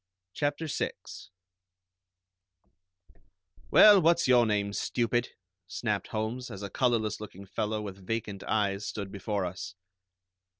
CHAPTER VI "Well, what's your name, stupid?" snapped Holmes, as a colorless looking fellow with vacant eyes stood before us.